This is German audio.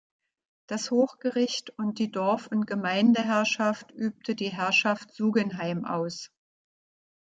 Das Hochgericht und die Dorf- und Gemeindeherrschaft übte die Herrschaft Sugenheim aus.